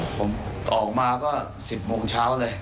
ผมออกมาก็๑๐โมงเช้าเลย